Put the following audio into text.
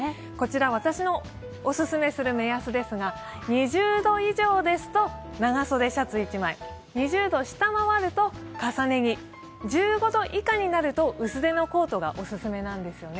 私のお勧めする目安ですが、２０度以上ですと長袖シャツ１枚、２０度を下回ると重ね着、１５度以下になると、薄手のコートがおすすめなんですよね。